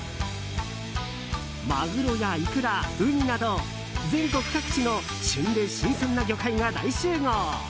マグロやイクラ、ウニなど全国各地の旬で新鮮な魚介が大集合。